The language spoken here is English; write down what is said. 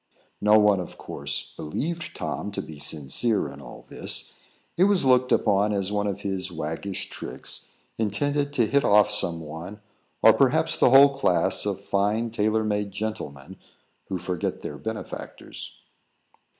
No one, of course believed Tom to be sincere in all this. It was looked upon as one of his waggish tricks, intended to hit off some one, or perhaps the whole class of fine tailor made gentlemen who forget their benefactors.